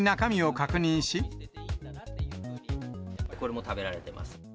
これも食べられています。